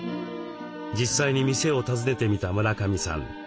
実際に店を訪ねてみた村上さん。